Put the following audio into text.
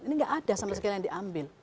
ini nggak ada sama sekali yang diambil